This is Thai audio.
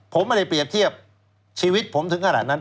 ผมไม่ได้เปรียบเทียบชีวิตผมถึงขนาดนั้น